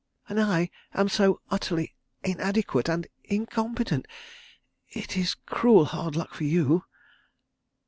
... And I am so utterly inadequate and incompetent. ... It is cruel hard luck for you.